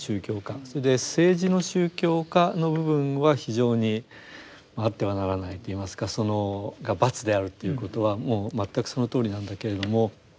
それで政治の宗教化の部分は非常にあってはならないといいますかそのバツであるということはもう全くそのとおりなんだけれども。